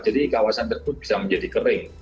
jadi kawasan tersebut bisa menjadi kering